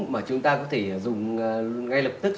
mà chúng ta có thể dùng ngay lập tức